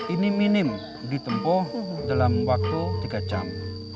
ini minim ditempuh dalam waktu tiga jam